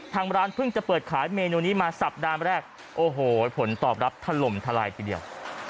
ทางร้านเพิ่งจะเปิดขายเมนูนี้มาสัปดาห์แรกโอ้โหผลตอบรับถล่มทลายทีเดียว